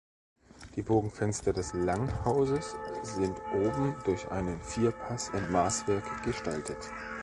Die Bogenfenster des Langhauses sind oben durch einen Vierpass im Maßwerk gestaltet.